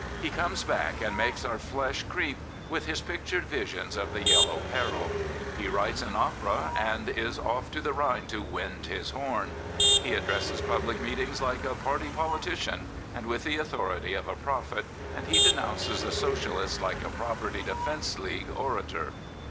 He comes back and makes our flesh creep with his pictured visions of the Yellow Peril. He writes an opera and is off to the Rhine to wind his horn. He addresses public meet ings like a party politician, and with the authority of a prophet, and he denounces the Socialists like a Property Defence League orator.